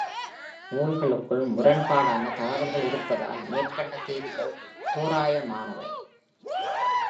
நூல்களுக்குள் முரண்பாடான தகவல்கள் இருப்பதால் மேற்கண்ட தேதிகள் தோராயமானவை.